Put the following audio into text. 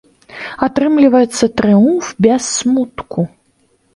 Атрымліваецца трыумф без смутку.